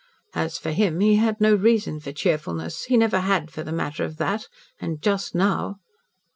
As for him, he had no reason for cheerfulness he never had for the matter of that, and just now